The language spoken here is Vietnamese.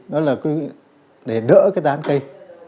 nó là để đỡ cái tán cây